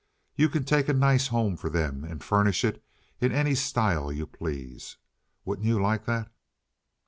You can take a nice home for them and furnish it in any style you please. Wouldn't you like that?"